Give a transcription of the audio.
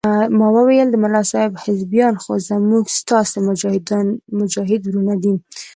ما وويل ملا صاحب حزبيان خو زموږ ستاسې مجاهد ورونه دي.